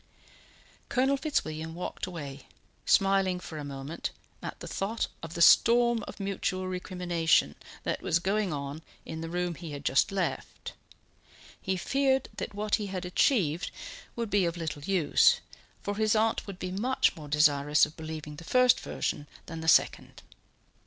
Colonel Fitzwilliam walked away, smiling for a moment at the thought of the storm of mutual recrimination that was going on in the room he had just left; he feared that what he had achieved would be of little use, for his aunt would be much more desirous of believing the first version than the second.